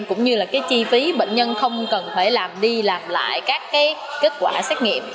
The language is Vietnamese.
cũng như là cái chi phí bệnh nhân không cần phải làm đi làm lại các kết quả xét nghiệm